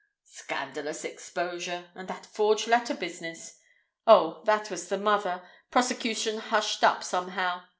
Scandalous exposure—and that forged letter business—oh, that was the mother—prosecution hushed up somehow.